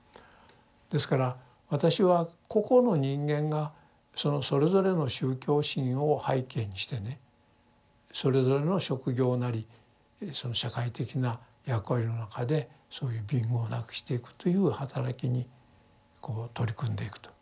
ですから私は個々の人間がそのそれぞれの宗教心を背景にしてねそれぞれの職業なりその社会的な役割の中でそういう貧苦をなくしていくというはたらきにこう取り組んでいくと。